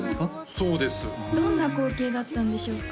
そうですどんな光景だったんでしょうか？